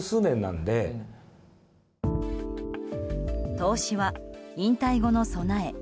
投資は引退後の備え。